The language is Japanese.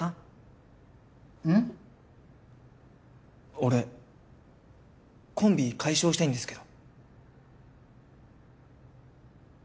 俺コンビ解消したいんですけど。